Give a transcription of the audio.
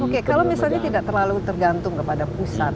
oke kalau misalnya tidak terlalu tergantung kepada pusat